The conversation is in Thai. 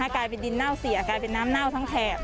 กลายเป็นดินเน่าเสียกลายเป็นน้ำเน่าทั้งแถบ